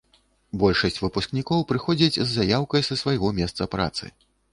Большасць выпускнікоў прыходзяць з заяўкай са свайго месца працы.